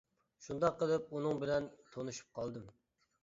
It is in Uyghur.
شۇنداق قىلىپ ئۇنىڭ بىلەن تونۇشۇپ قالدىم.